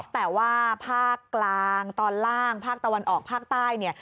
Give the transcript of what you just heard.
แต่ว่าภาคกลางตอนล่างภาคตะวันออกภาคใต้เนี่ย